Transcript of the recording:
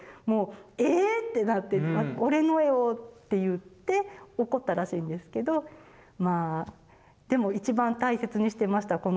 もう「え⁉」ってなって「俺の絵を！」って言って怒ったらしいんですけどまあでも一番大切にしてました